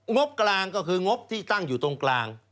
งบกลางก็คืองบที่ตั้งอยู่ตรงกลาง